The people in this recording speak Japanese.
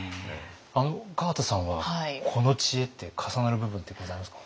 あの川田さんはこの知恵って重なる部分ってございますか？